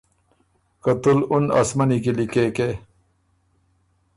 که تُو ل اُن اسمنی لی لیکېکې۔